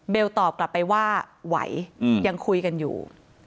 ตอบกลับไปว่าไหวยังคุยกันอยู่